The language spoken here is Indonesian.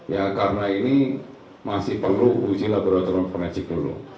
ya karena ini masih perlu uji laboratorium forensik dulu